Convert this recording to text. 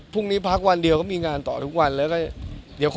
พรุ่งนี้พักวันเดียวก็มีงานต่อคุณใด